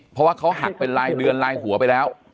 เพราะว่าเขาหักเป็นรายเดือนลายหัวไปแล้ว